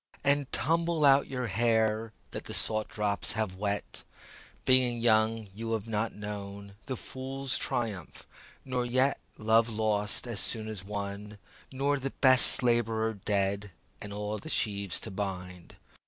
And tumble out your hair That the salt drops have wet; Being young you have not known The fool's triumph, nor yet Love lost as soon as won, Nor the best labourer dead And all the sheaves to bind.